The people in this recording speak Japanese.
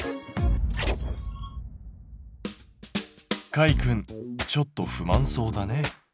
かいくんちょっと不満そうだね。